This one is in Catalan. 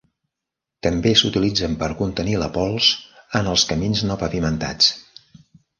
També s'utilitzen per contenir la pols en els camins no pavimentats.